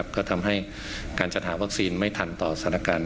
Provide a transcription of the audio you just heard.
ก็ทำให้การจัดหาวัคซีนไม่ทันต่อสถานการณ์